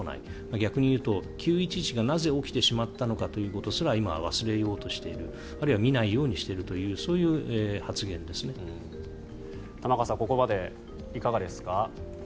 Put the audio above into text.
逆に言うと９・１１がなぜ起きてしまったのかということすら今忘れようとしているあるいは見ないようにしているとそういう発言ですね。